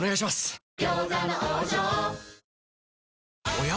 おや？